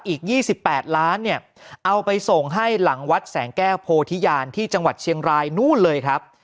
อีก๒๘ล้านเนี่ยเอาไปส่งให้หลังวัดแสงแก้วโพธิญาณที่จังหวัดเชียงรายนู่นเลยครับ